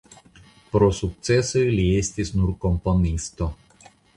Pro sukcesoj li estis nur komponisto.